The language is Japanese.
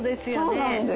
そうなんです。